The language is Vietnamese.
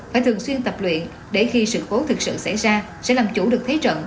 phải thường xuyên tập luyện để khi sự khố thực sự xảy ra sẽ làm chủ được thấy trận